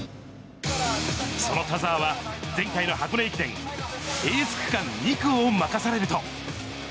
その田澤は、前回の箱根駅伝、エース区間２区を任されると。